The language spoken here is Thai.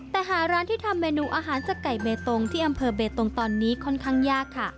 แต่หาร้านที่ทำเมนูอาหารจากไก่เบตงที่อำเภอเบตงตอนนี้ค่อนข้างยากค่ะ